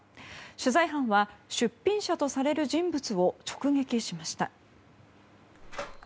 取材班は、出品者とされる人物を直撃しました。